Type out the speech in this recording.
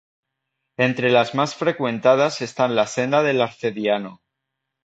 Entre las más frecuentadas están la "Senda del Arcediano".